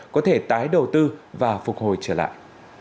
có thể tái đầu tư và phục hồi trở lại